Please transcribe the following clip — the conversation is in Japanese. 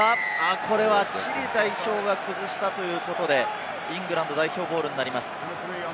これはチリ代表が崩したということで、イングランド代表ボールになります。